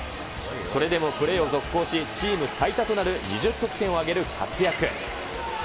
それでもプレーを続行し、チーム最多となる２０得点を挙げる活躍。